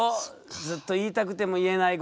ずっと言いたくても言えない５年。